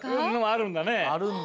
あるんだね。